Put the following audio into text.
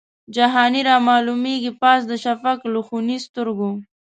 جهاني رامعلومیږي پاس د شفق له خوني سترګو